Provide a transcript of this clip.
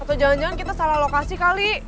atau jangan jangan kita salah lokasi kali